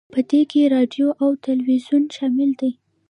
په دې کې راډیو او تلویزیون شامل دي